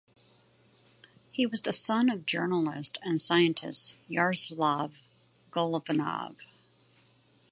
He was the son of journalist and scientist Yaroslav Golovanov.